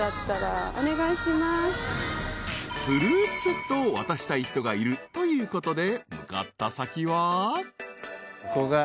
［フルーツセットを渡したい人がいるということで］